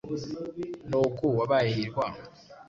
Ni uku wabaye Hirwa?